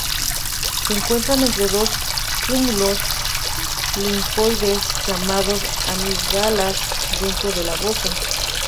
Se encuentra entre dos cúmulos linfoides llamados amígdalas, dentro de la boca.